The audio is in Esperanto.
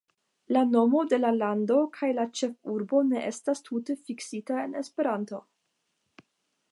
La nomo de la lando kaj la ĉefurbo ne estas tute fiksita en Esperanto.